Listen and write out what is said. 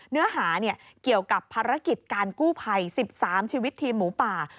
เนื้อหาเกี่ยวกับภารกิจการกู้ภัย๑๓ชีวิตทีมหมูป่า